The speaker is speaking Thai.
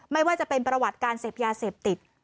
ไม่ว่าจะเป็นประวัติการเสพยาเสพติด